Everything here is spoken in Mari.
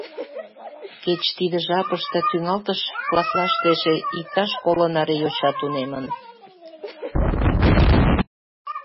Кеч тиде жапыште тӱҥалтыш класслаште эше иктаж коло наре йоча тунемын.